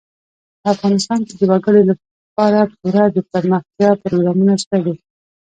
افغانستان کې د وګړي لپاره پوره دپرمختیا پروګرامونه شته دي.